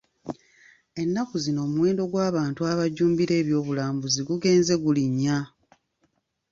Ennaku zino omuwendo gw'abantu abajjumbira eby'obulambuzi gugenze gulinnya.